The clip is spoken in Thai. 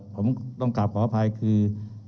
ผมต้องกลับขออภัยคือ